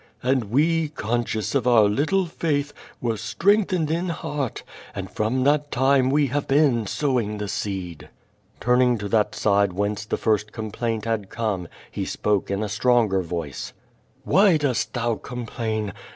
And we, conscious of our little faith, were strengthened in heart, and from that time we have been sow ing the seed.'* Turning to that side whence the first complaint had come, he spoke in. a stronger voice: ^83 QUO VADI8. "Why dost Hiou complain?